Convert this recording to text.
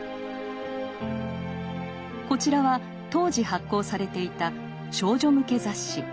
こちらは当時発行されていた少女向け雑誌。